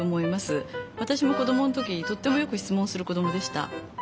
わたしも子どもの時とってもよく質問する子どもでした。